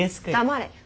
黙れ。